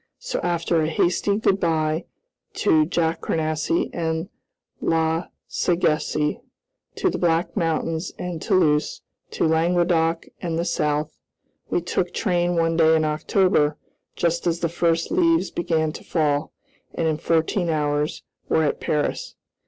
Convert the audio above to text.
So, after a hasty good by to Jacournassy and La Sagesse, to the Black Mountains and Toulouse, to Languedoc and the South, we took train one day in October, just as the first leaves began to fall, and, in fourteen hours, were at Paris.